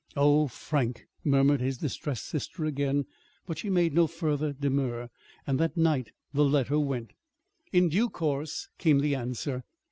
"Oh, Frank!" murmured his distressed sister again; but she made no further demur. And that night the letter went. In due course came the answer.